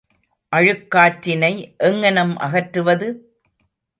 அழுக்காற்றினை எங்ஙனம் அகற்றுவது?